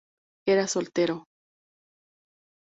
Era soltero.